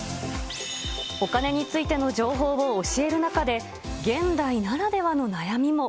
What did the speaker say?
お金についての情報を教える中で、現代ならではの悩みも。